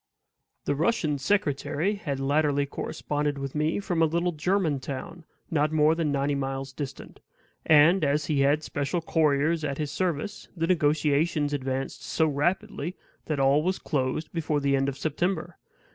The Russian secretary had latterly corresponded with me from a little German town, not more than ninety miles distant; and, as he had special couriers at his service, the negotiations advanced so rapidly that all was closed before the end of September.